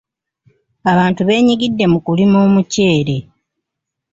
Abantu beenyigidde mu kulima omuceere.